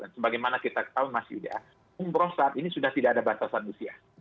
sebagaimana kita tahu mas yuda umroh saat ini sudah tidak ada batasan usia